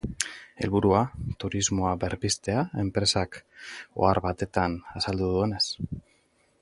Helburua, turismoa berpiztea, enpresak ohar batetan azaldu duenez.